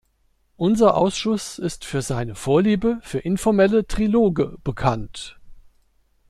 Unser Ausschuss ist für seine Vorliebe für informelle Triloge bekannt.